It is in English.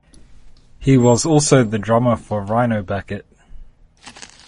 He was also the drummer for Rhino Bucket.